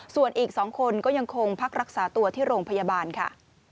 ส่วนอีก๒คนก็ยังคงพักรักษาตัวที่โรงพยาบาลค่ะ